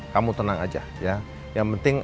kamu tenang aja ya yang penting